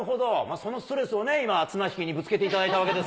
そのストレスをね、今、綱引きにぶつけていただいたわけです